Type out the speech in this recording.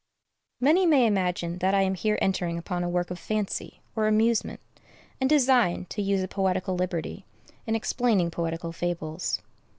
Many may imagine that I am here entering upon a work of fancy, or amusement, and design to use a poetical liberty, in explaining poetical fables.